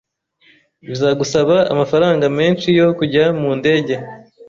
Bizagusaba amafaranga menshi yo kujya mu ndege.